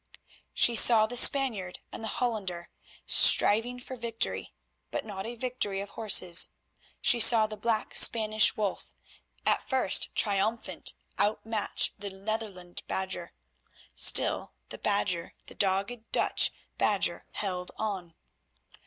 She saw the Spaniard and the Hollander striving for victory, but not a victory of horses. She saw the black Spanish Wolf, at first triumphant, outmatch the Netherland Badger. Still, the Badger, the dogged Dutch badger, held on.